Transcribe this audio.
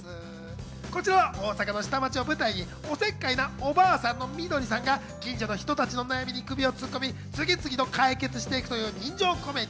こちらは大阪の下町を舞台におせっかいなおばあさんのミドリさんが近所の人たちの悩みに首を突っ込み、次々、解決していくという人情コメディ。